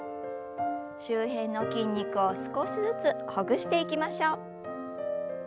周辺の筋肉を少しずつほぐしていきましょう。